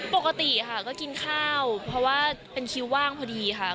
ปกติค่ะก็กินข้าวเพราะว่าเป็นคิวว่างพอดีค่ะ